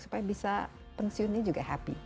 supaya bisa pensiunnya juga happy